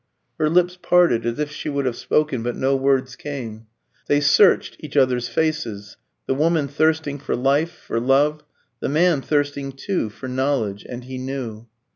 Her lips parted as if she would have spoken, but no words came. They searched each other's faces, the woman thirsting for life, for love; the man thirsting too for knowledge. And he knew.